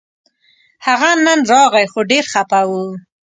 هغه نن راغی خو ډېر خپه و